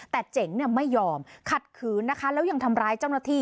แต่เจ๋งไม่ยอมขัดขืนนะคะแล้วยังทำร้ายเจ้าหน้าที่